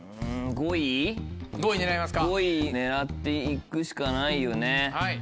５位狙って行くしかないよね。